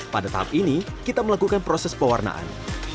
pada tahap ini kita melakukan proses pewarnaan